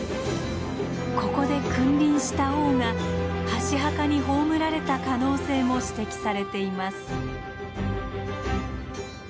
ここで君臨した王が箸墓に葬られた可能性も指摘されています。